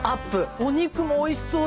お肉もおいしそうで。